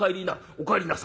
『お帰りなさいませ。